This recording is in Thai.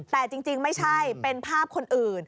แต่จริงไม่ใช่เป็นภาพคนอื่น